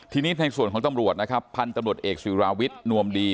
ทีนี้ในส่วนของตำรวจนะครับพันธุ์ตำรวจเอกศิราวิทย์นวมดี